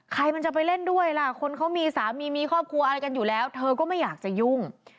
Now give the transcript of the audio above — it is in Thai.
ใครมันจะไปเล่นด้วยล่ะคนเขามีสามีมีครอบครัวอะไรกันอยู่แล้วเธอก็ไม่อยากจะยุ่ง